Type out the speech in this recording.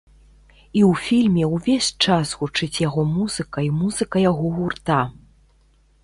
І ў фільме ўвесь час гучыць яго музыка і музыка яго гурта.